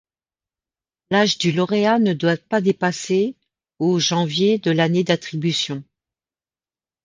L'âge du lauréat ne doit pas dépasser au janvier de l'année d'attribution.